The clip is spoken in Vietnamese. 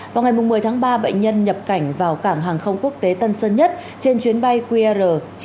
vào ngày một mươi tháng ba bệnh nhân nhập cảnh vào cảng hàng không quốc tế tân sơn nhất trên chuyến bay qr chín trăm bảy mươi